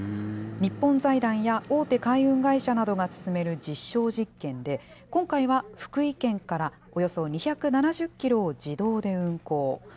日本財団や大手海運会社などが進める実証実験で、今回は福井県からおよそ２７０キロを自動で運航。